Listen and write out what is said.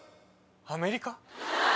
アメリカ？